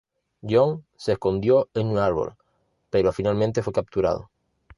John se escondió en un árbol, pero finalmente fue "capturado".